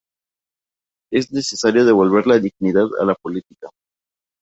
Es necesario devolver la dignidad a la política"".